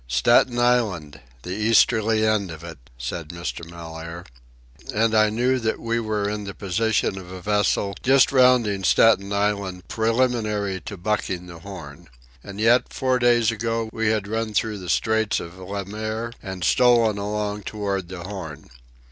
"Staten Island, the easterly end of it," said Mr. Mellaire. And I knew that we were in the position of a vessel just rounding Staten Island preliminary to bucking the Horn. And, yet, four days ago, we had run through the Straits of Le Maire and stolen along toward the Horn.